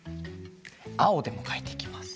あおでもかいていきます。